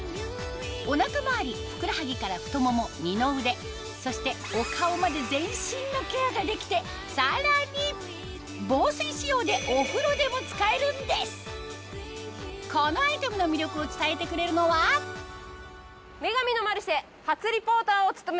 お腹周りふくらはぎから太もも二の腕そしてお顔まで全身のケアができてさらに防水仕様でお風呂でも使えるんですこのアイテムの魅力を伝えてくれるのは『女神のマルシェ』初リポーターを務めます